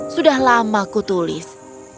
sudah lama aku tulis